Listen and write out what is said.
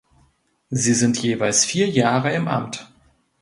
Sie sind jeweils vier Jahre im Amt.